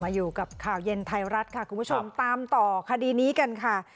อยู่กับข่าวเย็นไทยรัฐค่ะคุณผู้ชมตามต่อคดีนี้กันค่ะ